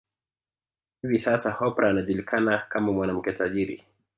Hivi Sasa Oprah anajulikana kama mwanamke tajiri